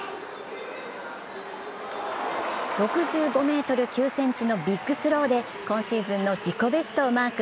６５ｍ９ｃｍのビッグスローで今シーズンの自己ベストをマーク。